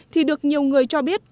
thì được nhiều người cho biết